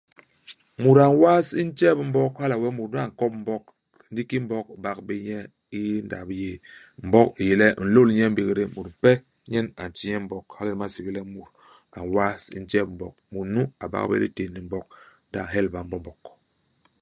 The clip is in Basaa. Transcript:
Mut a n'was ntjep u Mbog hala wee mut nu a nkop Mbog ndi ki Mbog i bak be nye i ndap yéé. Mbog i yé le i nlôl nye i mbégdé, mut mpe nyen a nti nye Mbog. Hala nyen ba nsébél le mut a n'was njtep u Mbog ; mut nu a bak bé i litén li Mbog, ndi a helba Mbombog.